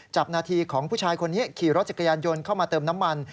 จับนาทีของผู้ชายคนนี้ขี่รถจักรยานยนต์เข้ามาเติมน้ำมัน